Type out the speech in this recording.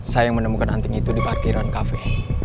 saya yang menemukan anting itu di parkiran kafe